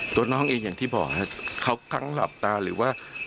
ตัวน้องเองอย่างที่บอกเขากั้งหลับตาหรือว่าเขาจะดุ้งตื่น